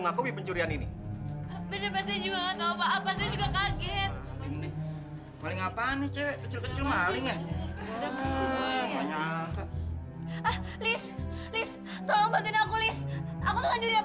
enggak enggak pak